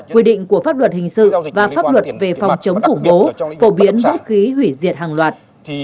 quy định của pháp luật hình sự và pháp luật về phòng chống khủng bố phổ biến vũ khí hủy diệt hàng loạt